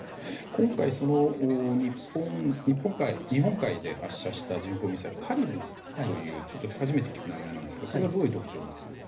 今回、日本海で発射した巡航ミサイルのカリブルという初めて聞く名前なんですけどこれはどういう特徴がありますか？